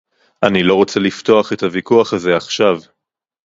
אני לא רוצה לפתוח את הוויכוח הזה עכשיו